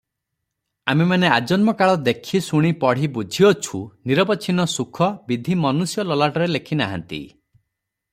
ଆମେମାନେ ଆଜନ୍ମକାଳ ଦେଖି, ଶୁଣି, ପଢ଼ି ବୁଝିଅଛୁ ନିରବଚ୍ଛିନ୍ନ ସୁଖ ବିଧି ମନୁଷ୍ୟ ଲଲାଟରେ ଲେଖି ନାହାନ୍ତି ।